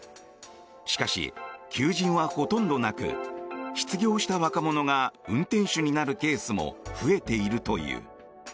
しかし、求人はほとんどなく失業した若者が運転手になるケースも増えているという。